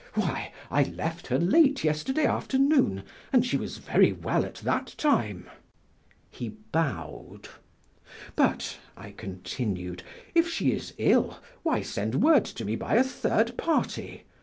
Why, I left her late yesterday afternoon and she was very well at that time!" He bowed. "But," I continued, "if she is ill, why send word to me by a third party?